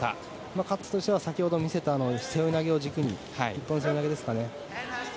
カッツとしては先ほど見せた背負い投げを軸に一本背負い投げですかね